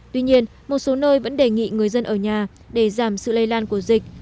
tuy nhiên một số nơi vẫn đề nghị người dân ở nhà để giảm sự lây lan của dịch